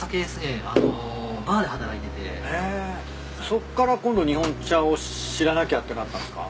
そこから今度日本茶を知らなきゃってなったんすか？